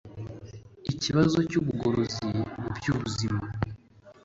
Ikibazo cy’ubugorozi mu byu buzima